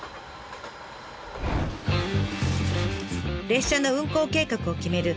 列車の運行計画を決める